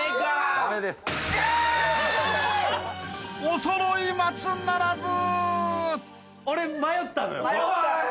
［おそろい松ならず］